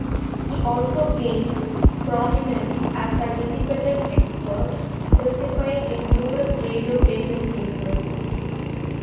He also gained prominence as an independent expert, testifying in numerous radio patent cases.